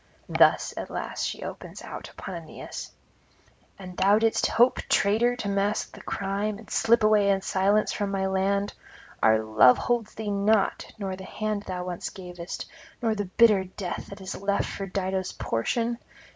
Thus at last she opens out upon Aeneas: 'And thou didst hope, traitor, to mask the crime, and slip away in silence from my land? Our love holds thee not, nor the hand thou once gavest, nor the bitter death that is left for Dido's portion?